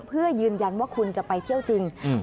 เพื่อยืนยันว่าคุณจะไปเที่ยวจริง